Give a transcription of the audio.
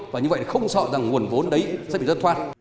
và như vậy không sợ rằng nguồn vốn đấy sẽ bị dân thoát